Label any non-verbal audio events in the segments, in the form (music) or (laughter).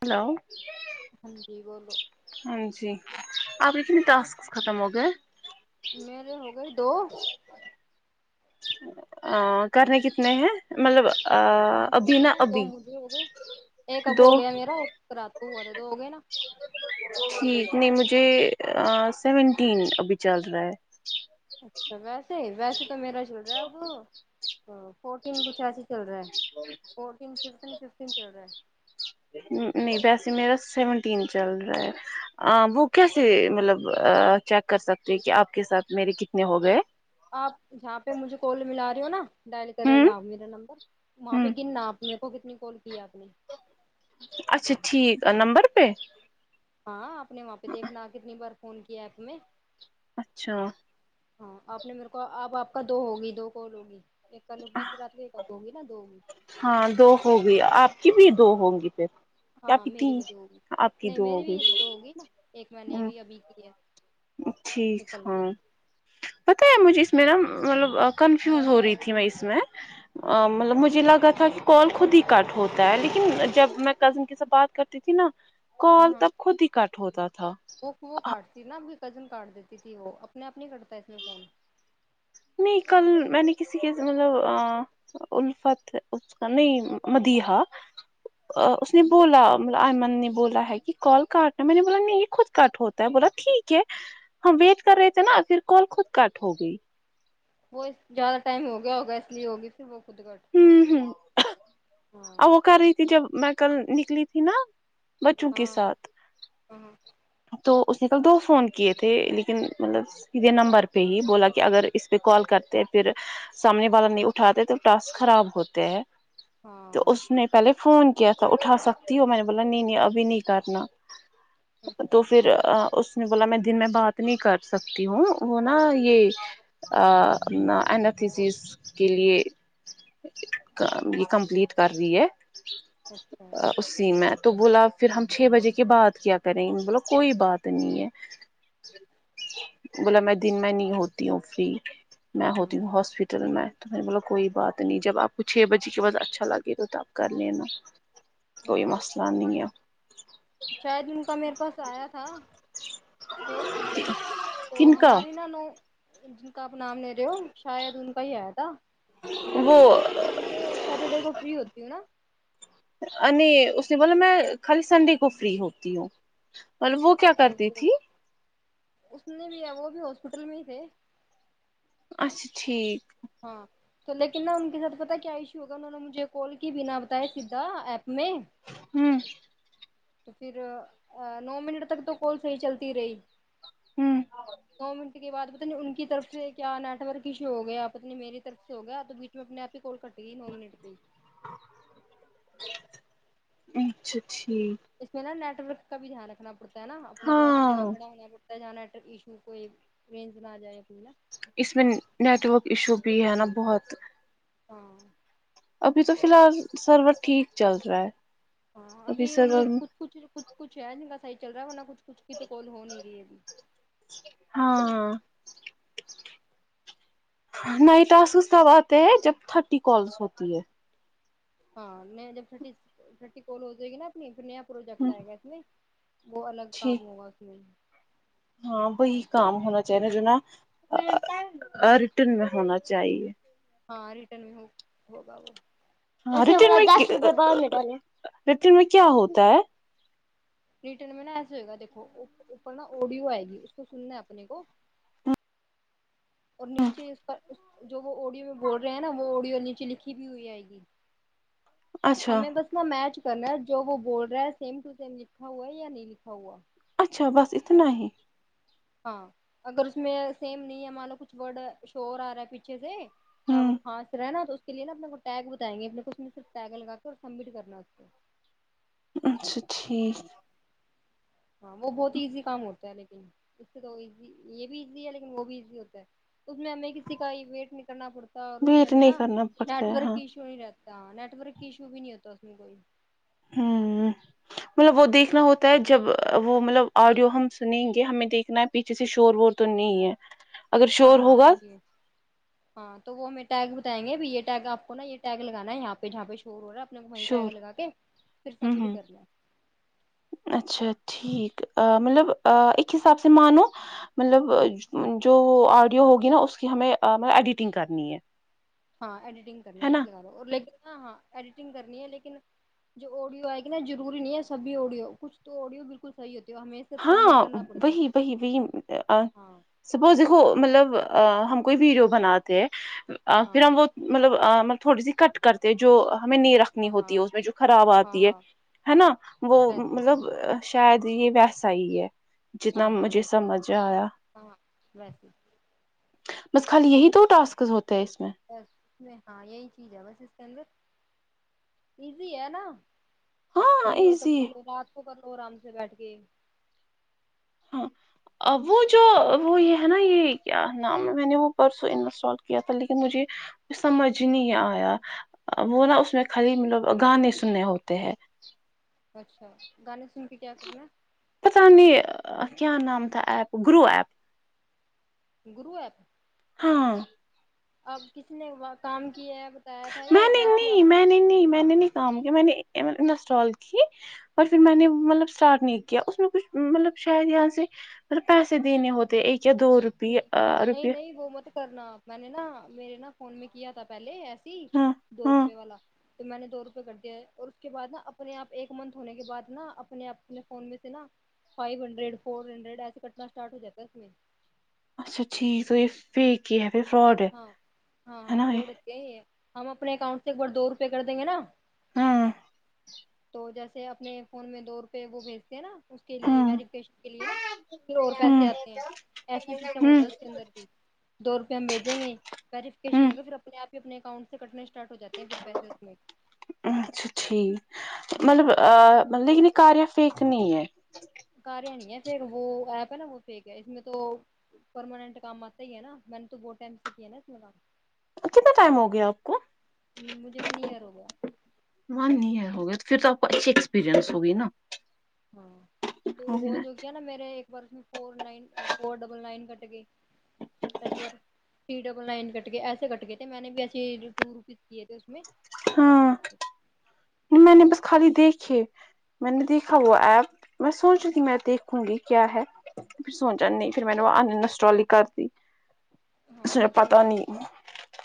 hello ہاں جی بولو ہاں جی اب اتنے ٹاسک ختم ہو گئے میرے ہو گئے دو ا کرنے کتنے ہیں مطلب پانچ ابھی کرنے نا ہیں دو ابھی مجھے ہو گئے ایک اب ہو دو گیا میرا ایک رات کو ہوا تھا دو ہو گئے نا ٹھیک نہیں مجھے ا سیونٹین ابھی چل رہا ہے اچھا ویسے ویسے تو میرا چل رہا ہے اب فورٹین کچھ ایسے چل رہا ہے فورٹین ففٹین ففٹین چل رہا ہے ن نہیں ویسے میرا سیونٹین چل رہا ہے آ وہ کیسے مطلب ا چیک کر سکتے کہ آپ کے ساتھ میرے کتنے ہو گئے آپ جہاں پہ مجھے کال ملا رہی ہو نا ڈائل کر رہے ہو ہوں جہاں میرا نمبر وہاں پہ ہوں گننا آپ میرے کو کتنی کال کی آپ نے اچھا ٹھیک نمبر پہ ہاں آپ نے وہاں پہ دیکھنا کتنی بار فون کیا ایپ میں اچھا ہاں آپ نے میرے کو اب آپ کا دو ہوگئی دو کال ہوگئی ایک کل ہوی تھی رات میں ایک اب ہوگئی نا دو ہوگئی ہاں دو ہوگی آپ کی بھی دو ہوں گی پھر ہاں آپ کی میری تین بھی دو ہوگی آپ کی نہیں دو ہو میری بھی گئی دو ہو گی نا ایک میں نے بھی ابھی کیا اب ٹھیک ہاں پتہ ہے مجھے اس میں نا مطلب کنفیوز ہو رہی تھی میں اس میں ا مطلب مجھے لگا تھا کہ کال خود ہی کٹ ہوتا ہے لیکن جب میں کزن کے سے بات کر تی تھی نا ہاں کال ہاں تب خود ہی کٹ ہوتا تھا وہ وہ کاٹتی نا آپ کی کزن کاٹ دیتی تھی وہ اپنے آپ نہیں کٹتا اس میں فون نہیں کل میں نے کسی کے مطلب اں الفت ہے اس کا نہیں مدیحہ ا اس نے بولا مطلب آئمن نے بولا ہے کہ کال کاٹنا میں نے بولا نہیں یہ خود کٹ ہو تو میں نے بولا ٹھیک ہے ہم ویٹ کر رہے تھے نا پھر کال خود کٹ ہو گئی وہ زیادہ ٹائم ہو گیا ہوگا اس لیے ہوگئی پھر وہ خود کٹ وں ہوں اور ہاں وہ کر رہی تھی جب میں کل نکلی تھی نا بچوں کے ساتھ آ ہاں تو اس نے کل دو فون کیے تھے لیکن مطلب سیدھے نمبر پہ ہی بولا کہ اگر اس پہ کال کرتے ہے پھر سامنے والا نہیں اٹھاتے تو ٹاسک خراب ہوتے ہے تو ہاں اس نے پہلے فون کیا تھا اٹھا سکتی ہو میں نے بولا نہیں نہیں ابھی نہیں کرنا تو پھر ا اس نے بولا میں دن میں بات نہیں کر سکتی ہوں وہ نا یہ اینتھسیس کے لیے یہ کم یہ کمپلیٹ کر ری ہے اچھا اچھا ا اسی میں تو بولا پھر ہم چھ بجے کے بعد کیا کر یں میں نے بولا کوئی بات نہیں ہے بولا میں دن میں نہیں ہوتی ہوں فری میں ہاں ہوتی ہوں ہاسپٹل میں تو میں نے بولا کوئی بات نہیں جب آپ کو چھ بجے کے بعد اچھا لگے تو تو آپ کر لینا کوئی ہاں مسئلہ نہیں ہے شاید ان کا میرے پاس آیا تھا کون تو کن کا ہماری نند جن کا آپ نام لے رہے ہو شاید ان کا ہی آیا تھا تو وہ کہتے نہ سنڈے اور سیٹرڈے کو فری ہوتی ہوں ا نے اس نے بولا میں خالی سنڈے کو فری ہوتی ہوں مطلب وہ کیا کرتی تو تھی اس نے بھی ہے وہ بھی ہاسپٹل میں ہی تھے اچھا ٹھیک ہاں تو لیکن نا ان کے ساتھ پتا ہے کیا ایشو ہوگا انہوں نے مجھے کال کی بنا پتا ہے سیدھا آپ میں ہوں تو پھر نو منٹ تک تو کال صحیح چلتی رہی ہوں نو منٹ کے بعد پتا نہیں ان کی طرف سے کیا نیٹ ورک ایشو ہو گیا آپ پتنی میری طرف سے ہو گیا تو بیچ میں اپنے آپ ہی کال کٹ گئی نو منٹ پہ ہی اچھا ٹھیک اس میں نا نیٹ ورک کا بھی دھیان رکھنا پڑتا ہے نا اپنے کو ایسی جگہ ہاں کھڑا ہونا پڑتا جا نیٹ ایشو کو رینج نہ آ جائے اپنی نا اس میں نیٹورک ایشو بھی ہے نا بہت ہاں ابھی تو فی الحال سرور ٹھیک چل رہا ہے ہاں ابھی انہیں کچھ کچھ کچھ کچھ ہے جن کا صحیح چل رہا ہے ورنہ کچھ کچھ کی تو کال ہو نہیں رہی ہے ابھی ہاں نیۓ ٹاسکس کب آتے ہیں جب تھرٹی کالس ہوتی ہے ہاں نیا جب تھرٹی تھرٹی کال ہو جائے گی نا اپنی پھر نیا پروجیکٹ آئے گا اس میں وہ الگ کام ٹھیک ہوگا اس میں ہاں وہی کام ہونا چاہیے نا جو نا ریٹرن میں ہونا چاہیے ہاں ریٹرن میں ہو ہوگا وہ ہاں میں ریٹرن میں کیا ہوتا ہے ریٹرن میں نا ایسے ہوئے گا دیکھو او اوپر نا آڈیو آئے گی اس کو سننا ہے اپنے کو (inaudible) اور نیچے اس پر جو وہ اوڈیو میں بول رہے ہیں نا وہ اوڈیو اور نیچے لکھی بھی ہوئی آئے گی اچھا ہمیں بس نا میچ کرنا ہے جو وہ بول رہا ہے سیم ٹو سیم لکھا ہوا ہے یا نہیں لکھا ہوا اچھا بس اتنا ہی ہاں اگر اس میں سیم نہیں ہے مان لو کچھ ورڈ شور آ رہا ہے پیچھے سے وہ ہوں خاس رہے نا تو کے لی نا اپنے کو ٹیگ بتائیں گے اپنے کو اس میں صرف ٹیگ لگا کے اور سبمٹ کرنا اس کو اچھا ٹھیک ہاں وہ بہت ایزی کام ہوتا ہے لیکن اس سے تو ایزی یہ بھی ایزی ہے لیکن وہ بھی ایزی ہوتا ہے تو میں ہمیں کسی کا بھی ویٹ نہیں کرنا پڑتا اور اس میں ویٹ ہمیں نہیں نا کرنا پڑتا نیٹ ہے ہاں ورک ایش نہیں رہتا نیٹ ورک ایشو بھی نہیں ہوتا اس میں کوئی ہوں مطلب وہ دیکھنا ہوتا ہے جب وہ مطلب آڈیو ہم سنیں گے ہمیں دیکھنا ہے پیچھے سے شور وور تو نہیں ہے اگر ہاں شور ہاں ہوگا آڈیو ہاں تو وہ ہم ٹیگ بتایں گے یہ ٹیگ آپ کو نا یہ ٹیگ لگانا یہ پہاں پہ شو ور رہا اپنا وہیں ٹیگ شور لگا کے پھر ہوں ہوں سبمٹ کرنا ہے اچھا ٹھیک مطلب ایک کے حساب سے مانو مطلب جو آڈیو ہوگی نا اس کی ہمیں ایڈیٹنگ کرنی ہے ہاں ایڈیٹنگ کرنی ہے اس نا لگاو لیک ہاں ہاں ایڈیٹنگ کرنی ہے لیکن جو آڈیو ائے گی نا ضروری نہیں ہے سبھی آڈیو کچھ تو آڈیو بالکل صحیح ہوتی ہو ہم ہاں وہی وہی وہی ہاں سپوز دیکھو مطلب ہم کوئی ویڈیو بناتے ہیں پھر ہاں ہم وہ مطلب مطلب تھوڑی سی کٹ کرتے جو ہمیں نی رکھ ہاں ہوتی ہے اس میں جو خراب ہاں ہاں آتی ہے ہاں ہے نا وہ ویسے مطلب شاید یہ ویسے صحیح ہے جتنا ہاں ہاں مجھے ویسے سمجھ آیا ہاں ہاں ویسے بس خالی یہی دو ٹاسکس ہوتے ہیں اس میں بس میں ہاں یہی چیز ہے بس اس کے اندر ایزی ہے نا ہاں فری ہو تب ایزی کر ہے، لو رات کو کر لو آرام سے بیٹھ کے ہاں وہ جو وہ یہ ہے نا یہ کیا نام میں نے وہ پرسوں انسٹال کیا تھا لیکن مجھے سمجھ ہی نہیں آیا وہ نا اس میں خالی مطلب گانے سننے ہوتے ہیں اچھا گانے سن کے کیا کرنا ہے پتہ نہیں کیا نام تھا ایپ گرو ایپ گرو ایپ ہاں اب کس نے کام کیا ہے ا میں نے نہیں میں نے نہیں میں نے نہیں کام کیا میں نے انسٹال کی اور پھر میں نے مطلب اسٹارٹ نہیں کیا اس میں کچھ مطلب شاید یہاں سے ملب پیسے دینے ہوتے ایک دو روپیہ نہیں ہاں آ نہیں رپیے نہیں وہ مت کرنا میں نے نا میرے نا فون میں کیا تھا پہلے ایسے ہی ہاں دو ہاں روپے والا تو میں نے دو روپئے کر دیا ہے اور اس کے بعد نا اپنے آپ ایک منتھ ہونے کے بعد نا اپنے آپ اپنے فون میں سے نا فائیو ہنڈریڈ فور ہنڈریڈ ایسے کٹنا اسٹارٹ ہو جاتا اس میں اچھا ٹھیک تو یہ فیک ہی ہے فراڈ ہیں ہے نا یہ یہی ہے ہم اپنے اکاؤنٹ سے ایک بار دو روپے کر دیں گے نا ہاں تو جیسے اپنے فون میں دو روپے وہ بھیجتے ہیں نا اس کے لیے ہاں ویریفکیشن کے لیے نا پھر اور ہوں پیسے آتے ہیں ایسے سسٹم ہوں ہوتا ہے اس کے اندر بھی دو روپئے ہم بھیجیں گے ہوں ویریفیکشن ہوگا پھرنے آپ ہی اپنے اکانٹ سے کٹنے اسٹارٹ ہو جاتے ہیں پھر پیسے اس میں اچھا ٹھیک ہاں مطلب لیکن یہ کاریہ فیک نہیں ہے کاریہ نہیں ہے فیک وہ ایپ ہے نا وہ فیک ہے اس میں تو پرماننٹ کام آتا ہی ہے نا م تو بہت ٹائم سے ہے نا اس کام کتنا ٹائم ہو گیا آپ کو مجھے ون ایئر ہو گیا ون ایئر ہو گیا تو پھر تو آپ کو اچھی ایکسپییرئنس ہوگی نا ہاں تو وہ جو کیا نا میرے ایک بار اس میں four nine four double nine کٹ کے ایک بار تھری ڈبل نائن کٹ کے ایسے کٹ گئے تھے میں نے بھی ایسے ٹو روپیز کیے تھے اس میں ایسے ہاں کرتے میں نے بس خالی دیکھیے میں نے دیکھا وہ ایپ میں سوچ رہی میں دیکھوں گی کیا ہے پھر سوچا نہیں پھر میں نے وہ نسٹرالی کر دی ہاں اس مت پتا کرنا نہیں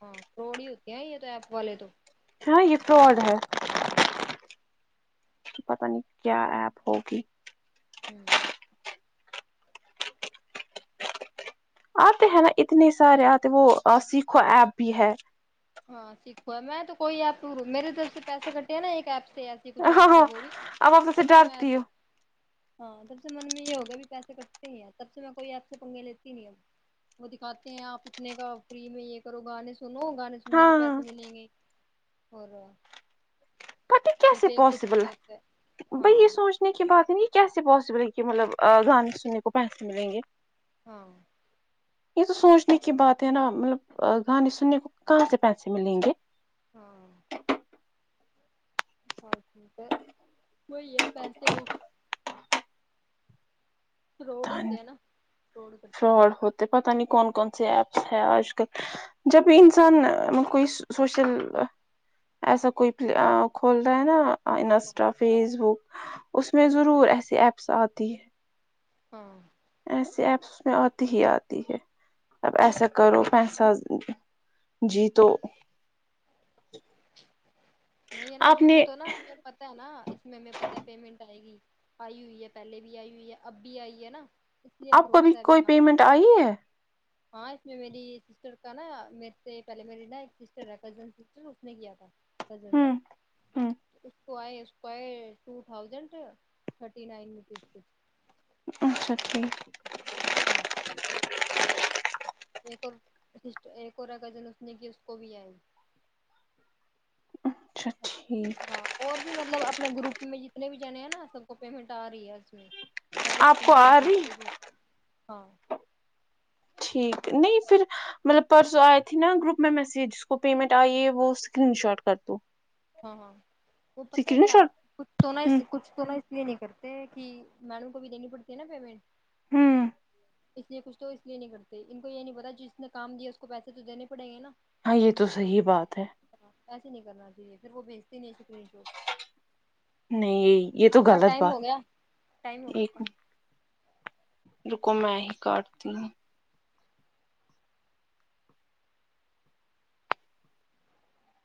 ہاں کوڑی ہی ہوتی ہیں یہ تو ایپ والے تو کہا یہ فراڈ ہے (unintelligible) پتا نہیں کیا ایپ ہوگی ہمم اتے ہیں نا اتنے سارے اتے وہ سیکھو ایپ بھی ہے ہاں سیکھو ہے میں تو کوئی ایپ میرے طرف سے پیسے کٹے ہیں نا ایک ایپ سے کچھ ہاں ایپ تھی ہاں وہ بھی اب اپ تو سے تب میں ڈرتی تو ہاں تب سے من میں یہ ہو گیا بھی پیسے کٹتے ہیں تب سے میں کوئی ایپ سے پنگے لیتی ہی نہیں ہو وہ دکھاتے ہیں اپ اتنے کا فری میں یہ کرو گانے سنو گانے گھومنےکے پیسے ہاں ملیں گے اور پتا یہ صرف کیسے ایک روپے پاسبل کا ہوتا ہے ب یہ ہاں سونچ سن کی بات ہے کیسے پوسبل ہے کہ مطلب گانے سننے کو پیسے ملیں گے ہاں یہ تو سوچنے کی بات ہے نا مطلب گانے سننے کو کہاں سے پیسے ملیے گے ہاں ہاں ٹھیک ہے وہئی ہے پیسے وہ فراڈ تھانی ہوتے ہیں نا کرتے ہیں فراڈ ہوتے پتا نہیں کون کون سے ایپس ہے اج کل جب یہی انسان کوئی سوشل ایسا کوئی ایپ کھولتا ہے نا ہاں انسٹا فیس وہ اس میں ضرور ایسی ایپس اتی ہے ہاں ایسے ایپس اس میں اتی ہی اتی ہے اب ایسا کرو پیسہ جی تو وہی ہے نا اب آپ اس میں نے تو نا ہم پتا ہے نا اس میں پتا ہے پیمنٹ ائے گی ائی ہوئی ہے پہلے بھی ائی ہوئی ہے اب بھی ائی ہے نا اس لیے اپ کو ابھی بھروسہ بھی کوئی نہ پیمنٹ ائی ہے ہاں اس میں میری سسٹر کا نا میرے سے پہلے میری نا ایک سسٹر ہے کزن سسٹر اس نے کیا تھا کزن نے ہوں ہوں اس کو آے اس کو ایے two thousand thirty nine rupees کچھ اچھا ٹھیک پہ ایک اور ایک اور گزن اس نے کی اس کو بھی ائی اچھا ٹھیک ہاں اور بھی مطلب اپنے گروپ میں جتنے بھی جنے ہیں نا سب کو پیمنٹ ا رہی ہے اس میں سارا آپ سکرین کو شاٹ آ رہی رکھتے ہیں بھی ہاں ٹھیک نہیں پھر مطلب پرسو ائے تھے نا گروپ میں میسیج جس کو پیمنٹ ائی ہے وہ اسکرین شاٹ کر دو ہاں ہاں وہ پتا ہے اسکرین کیا شاٹ کچھ تو ہوں نہیں کچھ تو نہیں یہ نہیں کرتے کہ میڈم کو بھی دینی پڑتی ہے نا پیمنٹ ہمم اس لیے کچھ تو اس لیے نہیں کرتے ان کو یہ نہیں پتا جس نے کام دیا اس کو پیسے تو دینے پڑیے گے نا ہاں یہ تو صحیح بات ہے ایسے نہیں کرنا چاہیے پھر وہ بھیجتے ہی نہیں بھیجو نہیں یہ یہ تو اپ کا غلط ٹائم ہو بات گیا ٹائم ہو گیا اپ کا ایک رکو میں ہی کاٹتی ہوں